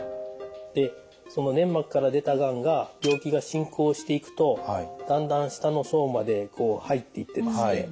でその粘膜から出たがんが病気が進行していくとだんだん下の層まで入っていってですね。